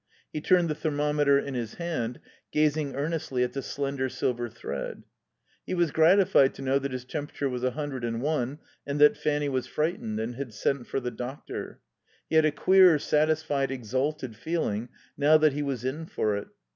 He turned the thermometer in his hand, gazing earnestly at the slender silver thread. He was gratified to know that his temperature was a hundred and one and that Fanny was frightened and had sent for the doctor. He had a queer, satisfied, exalted feeling, now that he was in for it.